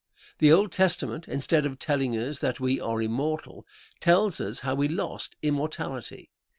The Old Testament, instead of telling us that we are immortal, tells us how we lost immortality.